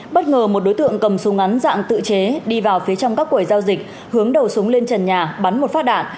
bất ngờ một đối tượng cầm súng ngắn dạng tự chế đi vào phía trong các quầy giao dịch hướng đầu súng lên trần nhà bắn một phát đạn